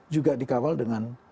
juga dikawal dengan